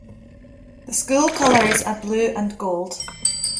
The school's colours are Blue and Gold.